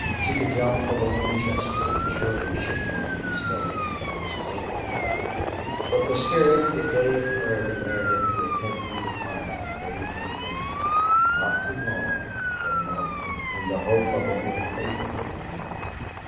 She could jump for the Winchester and surely shoot one of these villains, perhaps both of them. But the spirit that gave her the nerve to attempt either plan bade her wait, not too long, but longer, in the hope of a more favorable moment.